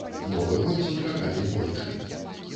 Новы год сустракалі двойчы.